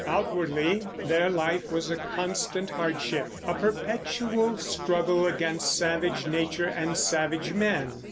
Outwardly their life was a constant hardship, a perpetual struggle against savage nature and savage men.